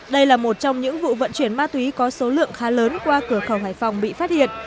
đây là một trong những vụ vận chuyển ma túy có số lượng khá lớn qua cửa khẩu hải phòng bị phát hiện